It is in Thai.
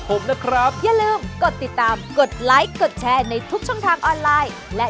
สวัสดีค่ะ